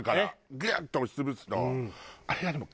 ぐっと押し潰すとあれがでも快感。